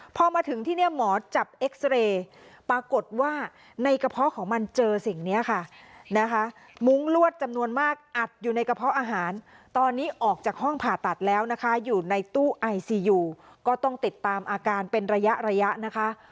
พอมาถึงที่เนี่ยหมอจับเอ็กซาเรย์ปรากฏว่าในกระเพาะของมันเจอสิ่งนี้ค่ะนะคะมุ้งลวดจำนวนมากอัดอยู่ในกระเพาะอาหารตอนนี้ออกจากห้องผ่าตัดแล้วนะคะอยู่ในตู้ไอซียูก็ต้องติดตามอาการเป็นระยะระยะนะคะ